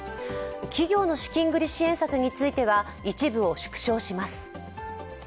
企業の資金繰り支援策については一部を縮小します。